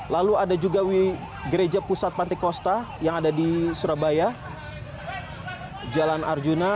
lalu ada juga gereja pusat pantikosta yang ada di surabaya jalan arjuna